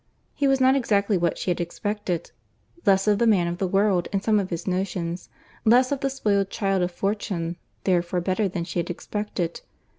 He was not exactly what she had expected; less of the man of the world in some of his notions, less of the spoiled child of fortune, therefore better than she had expected.